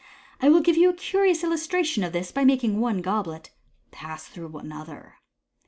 I will give you a curious illustration of this by making one goblet pass through another."